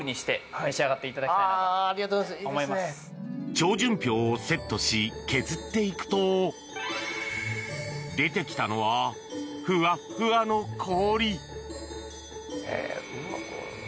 超純氷をセットし削っていくと出てきたのは、フワフワの氷。